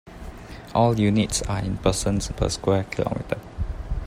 All units are in persons per square kilometer.